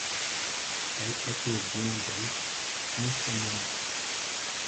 Elle était bien belle en ce moment.